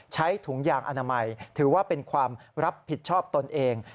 ถุงยางอนามัยถือว่าเป็นความรับผิดชอบตนเอง